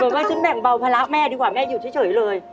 ว่าฉันแบ่งเบาภาระแม่ดีกว่าแม่อยู่เฉยเลย